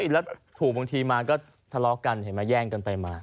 แล้วถูกบางทีมาก็ทะเลาะกันเห็นไหมแย่งกันไปมา